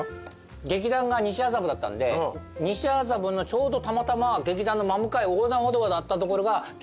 劇団が西麻布だったんで西麻布のちょうどたまたま劇団の真向かい横断歩道渡った所がゲイバーだったんですよ。